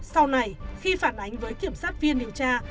sau này khi phản ánh với kiểm sát viên điều tra